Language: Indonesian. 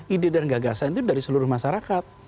ide dan gagasan itu dari seluruh masyarakat